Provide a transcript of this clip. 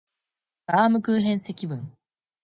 バームクーヘン積分